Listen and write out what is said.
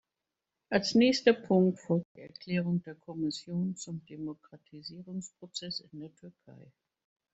Als nächster Punkt folgt die Erklärung der Kommission zum Demokratisierungsprozess in der Türkei.